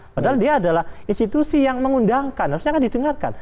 padahal dia adalah institusi yang mengundangkan harusnya kan didengarkan